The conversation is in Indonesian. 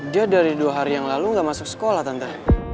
dia dari dua hari yang lalu nggak masuk sekolah tante